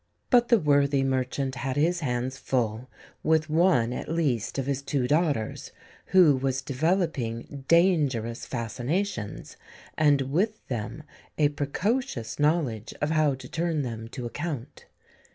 But the worthy merchant had his hands full with one at least of his two daughters, who was developing dangerous fascinations, and with them a precocious knowledge of how to turn them to account.